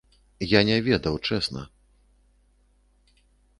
Я не ведаў, чэсна.